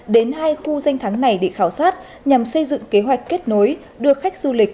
đến hai khu danh thắng này để khảo sát nhằm xây dựng kế hoạch kết nối đưa khách du lịch